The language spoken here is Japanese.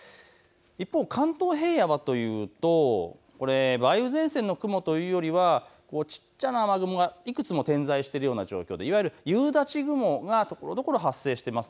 一方、関東平野はというと梅雨前線の雲というよりは小さな雨雲がいくつも点在しているような状況でいわゆる夕立雲がところどころ発生しています。